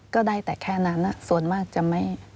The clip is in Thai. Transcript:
ก็ได้แต่แค่นั้นส่วนมากจะไม่ได้อะไรเลย